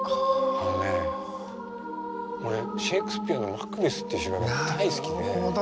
あのね俺シェークスピアの「マクベス」っていう芝居が大好きで。